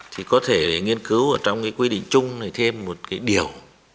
thì có thể nghiên cứu trong quy định chung thêm một điều